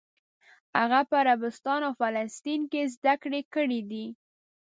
هغه په عربستان او فلسطین کې زده کړې کړې دي.